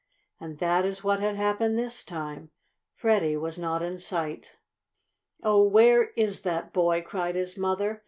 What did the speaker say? And that is what had happened this time. Freddie was not in sight. "Oh, where is that boy?" cried his mother.